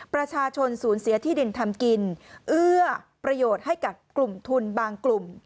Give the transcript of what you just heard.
ประชาชนสูญเสียที่ดินทำกินเอื้อประโยชน์ให้กับกลุ่มทุนบางกลุ่ม